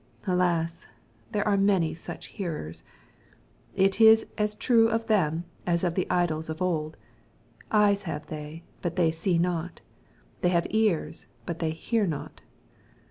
Alas I there are many such hearers I It is as true of them as of the idols of old, " eyes have they, but they see not ; they have ears, but they hear not."